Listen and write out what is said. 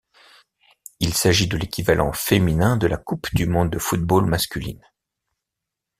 Il s'agit de l'équivalent féminin de la Coupe du monde de football masculine.